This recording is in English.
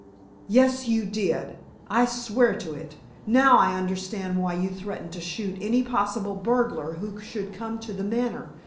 "Yes, you did. I swear to it. Now I understand why you threatened to shoot any possible burglar who should come to The Manor.